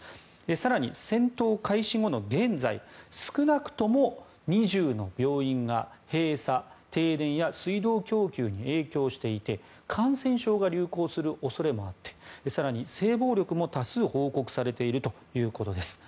更に戦闘開始後の現在少なくとも２０の病院が閉鎖停電や水道供給に影響していて感染症が流行する恐れもあって更に、性暴力も多数報告されているということです。